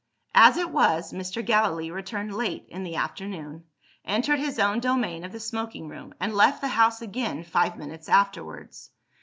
As it was, Mr. Gallilee returned late in the afternoon; entered his own domain of the smoking room; and left the house again five minutes afterwards.